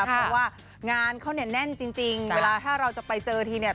เพราะว่างานเขาเนี่ยแน่นจริงเวลาถ้าเราจะไปเจอทีเนี่ย